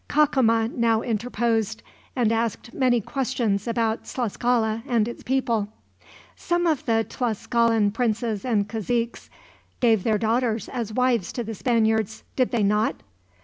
Cacama now interposed, and asked many questions about Tlascala and its people. "Some of the Tlascalan princes and caziques gave their daughters as wives to the Spaniards, did they not?"